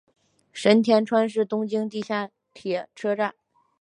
神田川是东京地下铁车站。